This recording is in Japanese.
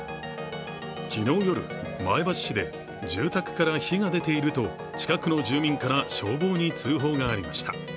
昨日夜、前橋市で住宅から火が出ていると近くの住民から消防に通報がありました。